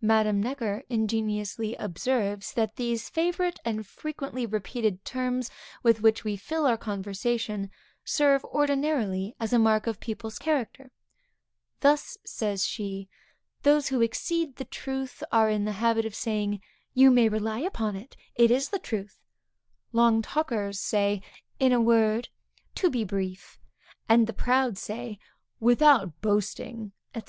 Madame Necker ingeniously observes that these favorite and frequently repeated terms with which we fill our conversation, serve, ordinarily as a mark of people's character. 'Thus,' says she, 'those who exceed the truth are in the habit of saying, You may rely upon it, it is the truth; long talkers say, In a word, to be brief; and the proud say, Without boasting,' &c.